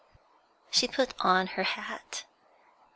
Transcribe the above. She put on her hat.